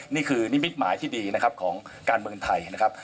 นี่คือนิมิตหมายที่ดีนะครับของการเมืองไทยนะครับ